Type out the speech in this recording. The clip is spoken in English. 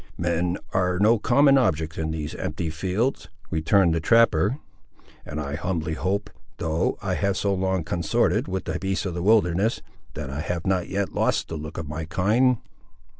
"Men are no common objects in these empty fields," returned the trapper, "and I humbly hope, though I have so long consorted with the beasts of the wilderness, that I have not yet lost the look of my kind."